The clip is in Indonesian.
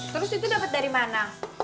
terus itu dapat dari mana